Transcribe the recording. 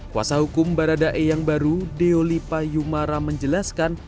kuasa hukum baradae yang baru deolipa yumara menjelaskan